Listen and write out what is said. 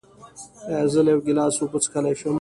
ایا زه له یو ګیلاس اوبه څښلی شم؟